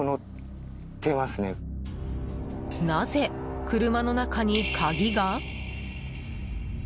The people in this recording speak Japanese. なぜ車の中に鍵が？